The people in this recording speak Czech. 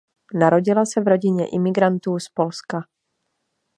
Narodila se v rodině imigrantů z Polska.